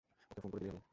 ওকে phone করে দিলেই হবে।